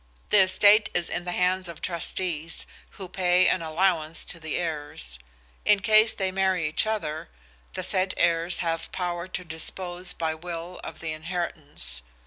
The estate is in the hands of trustees, who pay an allowance to the heirs. In case they marry each other, the said heirs have power to dispose by will of the inheritance.